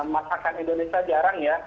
masakan indonesia jarang ya